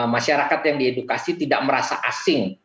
masyarakat yang diedukasi tidak merasa asing